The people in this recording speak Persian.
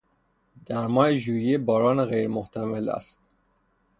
در ماه ژوئیه باران غیر محتمل است.